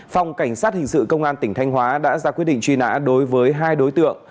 phòng cảnh sát hình sự công an tỉnh thanh hóa đã ra quyết định truy nã đối với hai đối tượng